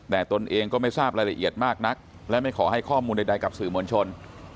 แต่ตนเองก็ไม่ทราบรายละเอียดมากนักและไม่ขอให้ข้อมูลใดกับสื่อมวลชน